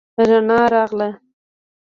رڼا راغله.